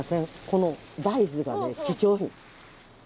この大豆が貴重品。